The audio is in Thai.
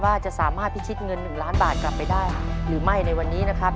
ว่าจะสามารถพิชิตเงิน๑ล้านบาทกลับไปได้หรือไม่ในวันนี้นะครับ